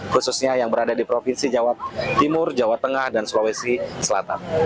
khususnya yang berada di provinsi jawa timur jawa tengah dan sulawesi selatan